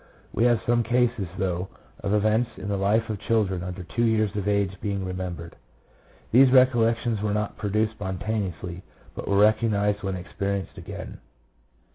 We have some cases, though, of events in the life of children under two years of age being remembered. These recollections were not produced spontaneously, but were recognized when experienced again.